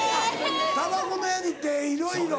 たばこのヤニっていろいろ。